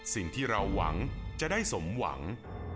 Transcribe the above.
สิ่งที่เราหวังจะได้สมหวัง